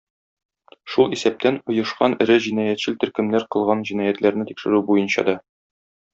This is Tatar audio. Шул исәптән, оешкан эре җинаятьчел төркемнәр кылган җинаятьләрне тикшерү буенча да.